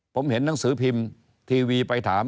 ผมเห็นหนังสือพิมพ์ทีวีไปถาม